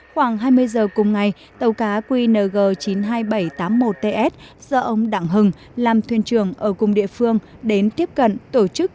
khoảng hai mươi giờ cùng ngày tàu cá qng chín mươi hai nghìn bảy trăm tám mươi một ts do ông đảng hưng làm thuyền trưởng ở cùng địa phương đến tiếp cận tổ chức